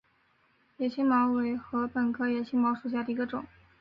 野青茅为禾本科野青茅属下的一个种。